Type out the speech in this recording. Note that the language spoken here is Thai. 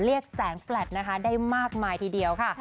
เรียกแสงแฟลตนะคะได้มากมายทีเดียวค่ะ